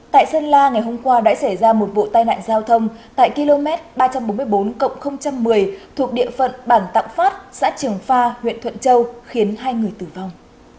tại sơn la ngày hôm qua đã xảy ra một vụ tai nạn giao thông tại km ba trăm bốn mươi bốn một mươi thuộc địa phận bản tạng phát xã trường pha huyện thuận châu khiến hai người tử vong